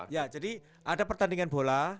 ya jadi ada pertandingan bola